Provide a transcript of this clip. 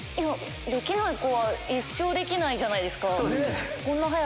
できない子は一生できないじゃないですか。